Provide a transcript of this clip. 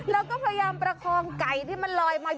แล้วก็พยายามประคองไก่ที่มันลอยมา